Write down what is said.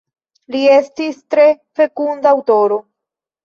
Li estis tre fekunda aŭtoro.